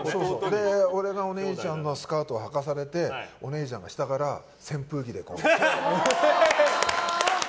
それで、俺がお姉ちゃんのスカートをはかされてお姉ちゃんが下から扇風機でこう。